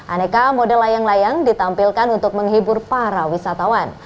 aneka model layang layang ditampilkan untuk menghibur para wisatawan